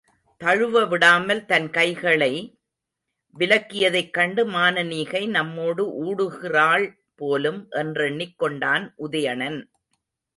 தழுவவிடாமல் தன் கைகளை விலக்கியதைக் கண்டு, மானனீகை நம்மோடு ஊடுகிறாள் போலும் என்றெண்ணிக் கொண்டான் உதயணன்.